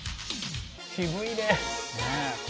「渋いねえ」